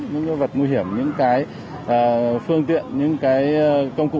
những vật nguy hiểm những phương tiện những công cụ